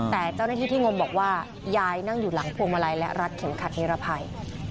แต่เจ้าหน้าที่ที่งมบอกว่ายายนั่งอยู่หลังพวงมาลัยและรัดเข็มขัดนิรภัย